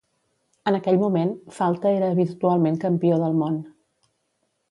En aquell moment, Falta era virtualment Campió del Món.